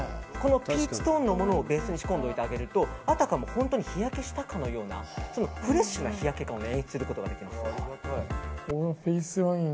ピーチトーンのものをベースに仕込んでおいてあげるとあたかも本当に日焼けしたかのようなフレッシュな日焼け感を演出できます。